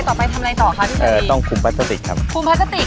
ต่อไปทำอะไรต่อคะพี่เอ่อต้องคุมพลาสติกครับคุมพลาสติก